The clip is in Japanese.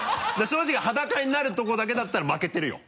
正直裸になるとこだけだったら負けてるよ。